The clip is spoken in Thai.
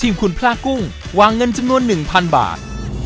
คุณพระกุ้งวางเงินจำนวน๑๐๐บาท